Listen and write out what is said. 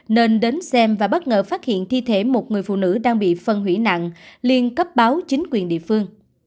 nên đến xem và bất ngờ phát hiện thi thể một người phụ nữ đang bị phân hủy nặng liên cấp báo chính quyền địa phương